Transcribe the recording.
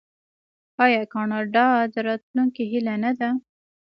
آیا کاناډا د راتلونکي هیله نه ده؟